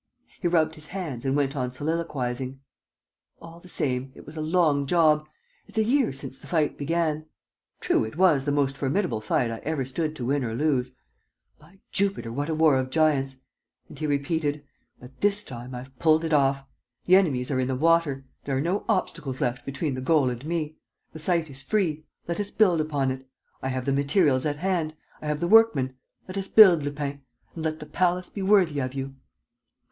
He rubbed his hands and went on soliloquizing: "All the same, it was a long job. It's a year since the fight began. True, it was the most formidable fight I ever stood to win or lose. ... By Jupiter, what a war of giants!" And he repeated, "But this time, I've pulled it off! The enemies are in the water. There are no obstacles left between the goal and me. The site is free: let us build upon it! I have the materials at hand, I have the workmen: let us build, Lupin! And let the palace be worthy of you!"